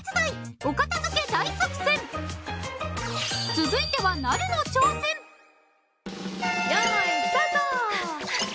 続いてはなるの挑戦よいスタート！